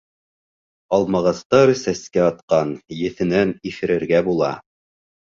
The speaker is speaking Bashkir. Алмағастар сәскә атҡан, еҫенән иҫерергә була.